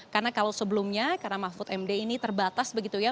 karena kalau sebelumnya karena mahfud md ini terbatas begitu ya